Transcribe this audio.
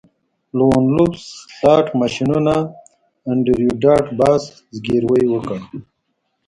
لون وولف سلاټ ماشینونه انډریو ډاټ باس زګیروی وکړ